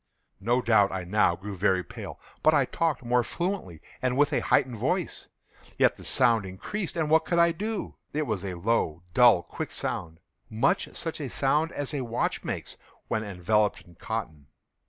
No doubt I now grew very pale;—but I talked more fluently, and with a heightened voice. Yet the sound increased—and what could I do? It was a low, dull, quick sound—much such a sound as a watch makes when enveloped in cotton.